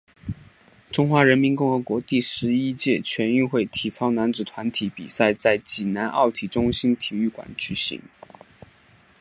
中华人民共和国第十一届全运会体操男子团体比赛在济南奥体中心体育馆举行。